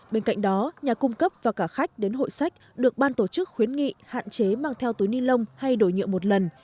bên cạnh đó nhà cung cấp và cả khách đến hội sách được ban tổ chức khuyến nghị hạn chế mang theo túi ni lông hay đổi nhựa một lần